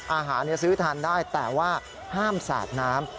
อาหารซื้อทานได้แต่ว่าห้ามสาดน้ำ